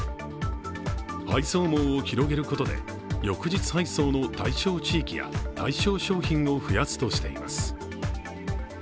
配送網を広げることで、翌日配送の対象地域や対象商品を増やすとしています。